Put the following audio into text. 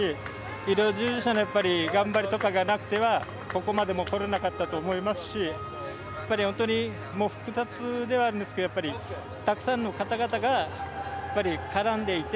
医療従事者の頑張りとかがなくてはここまでもこれなかったと思いますし本当に複雑ではあるんですがたくさんの方々が絡んでいて